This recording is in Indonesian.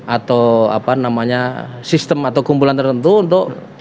atau apa namanya sistem atau kumpulan tertentu untuk